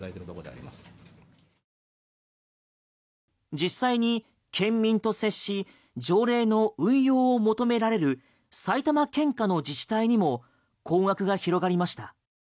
実際に県民と接し条例の運用を求められる埼玉県下の自治体にも困惑が広がりました。